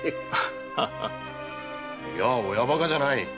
いや親バカじゃない。